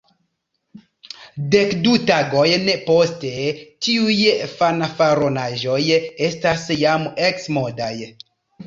Dek-du tagojn poste, tiuj fanfaronaĵoj estas jam eksmodaj.